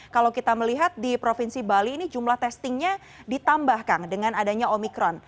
kita lihat di provinsi bali ini jumlah testingnya ditambahkan dengan adanya omikron